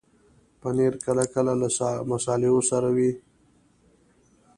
پنېر کله کله له مصالحو سره وي.